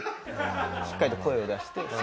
しっかりと声を出して。